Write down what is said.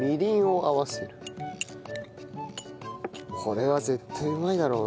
これは絶対うまいだろうな。